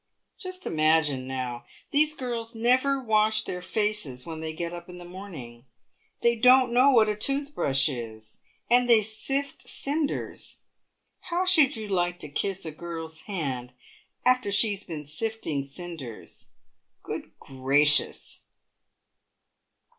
Just imagine, now : these girls never wash their faces when they get up in the morn ing. They don't know what a toothbrush is, and they sift cinders. How should you like to kiss a girl's hand after she's been sifting cinders ? Good gracious